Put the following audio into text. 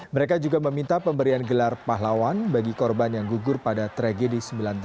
mereka juga meminta pemberian gelar pahlawan bagi korban yang gugur pada tragedi seribu sembilan ratus delapan puluh